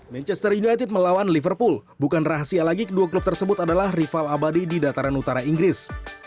manchester united melawan liverpool bukan rahasia lagi kedua klub tersebut adalah rival abadi di dataran utara inggris